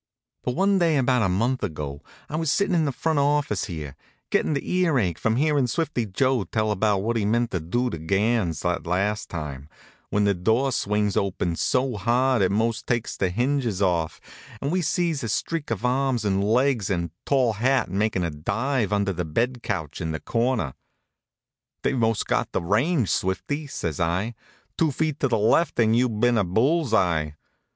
But one day about a month ago I was sittin' in the front office here, gettin' the ear ache from hearing Swifty Joe tell about what he meant to do to Gans that last time, when the door swings open so hard it most takes the hinges off, and we sees a streak of arms and legs and tall hat makin' a dive under the bed couch in the corner. "They've most got the range, Swifty," says I. "Two feet to the left and you'd been a bull's eye.